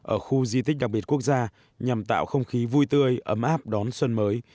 ở khu di tích đặc biệt quốc gia nhằm tạo không khí vui tươi ấm áp đón xuân mới